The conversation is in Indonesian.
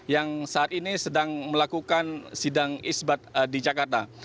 yang saat ini sedang melakukan sidang isbat di jakarta